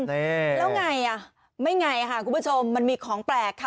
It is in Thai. นี่แล้วไงอ่ะไม่ไงค่ะคุณผู้ชมมันมีของแปลกค่ะ